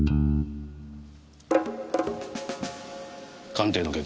鑑定の結果